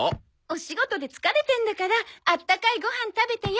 お仕事で疲れてるんだからあったかいご飯食べてよ。